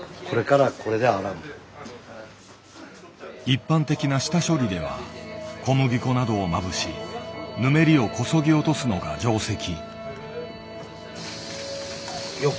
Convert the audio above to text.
一般的な下処理では小麦粉などをまぶしぬめりをこそぎ落とすのが定石。